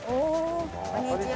こんにちは。